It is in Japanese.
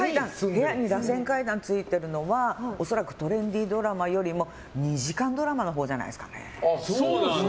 部屋に螺旋階段がついてるのは恐らくトレンディードラマよりも２時間ドラマのほうじゃないですかね。